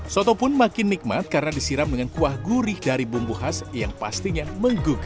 soto pun makin nikmat karena disiram dengan kuah gurih dari bumbu khas yang pastinya menggugah